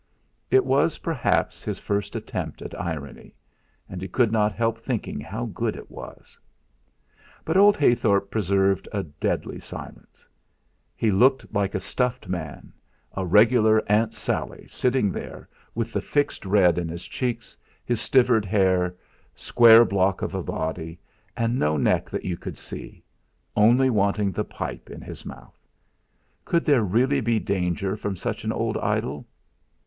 It was perhaps his first attempt at irony, and he could not help thinking how good it was. But old Heythorp preserved a deadly silence. He looked like a stuffed man, a regular Aunt Sally sitting there, with the fixed red in his cheeks, his stivered hair, square block of a body, and no neck that you could see only wanting the pipe in his mouth! Could there really be danger from such an old idol?